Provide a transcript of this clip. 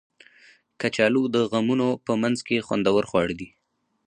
کچالو د غمونو په منځ کې خوندور خواړه دي